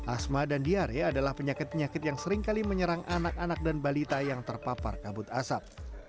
asma dan diare adalah penyakit penyakit yang seringkali menyerang anak anak dan balita yang terpapar kabut asap